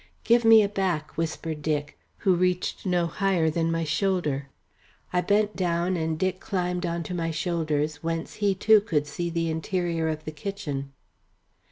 "Give me a back," whispered Dick, who reached no higher than my shoulder. I bent down and Dick climbed on to my shoulders, whence he too could see the interior of the kitchen.